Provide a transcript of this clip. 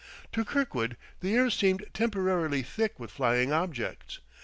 To Kirkwood the air seemed temporarily thick with flying objects.